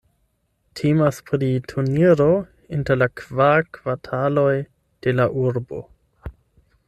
Temas pri turniro inter la kvar kvartaloj de la urbo.